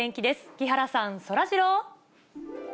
木原さん、そらジロー。